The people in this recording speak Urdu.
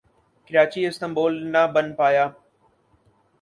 کراچی استنبول نہ بن پایا